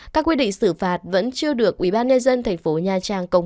các quy định xử phạt vẫn chưa được ubnd thành phố nha trang